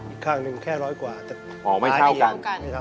อีกข้างหนึ่งแค่ร้อยกว่าแต่ไม่เท่ากัน